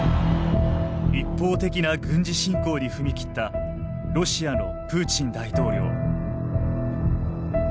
一方的な軍事侵攻に踏み切ったロシアのプーチン大統領。